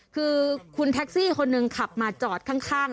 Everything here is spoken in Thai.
คือคุณแท็กซี่คนหนึ่งขับมาจอดข้าง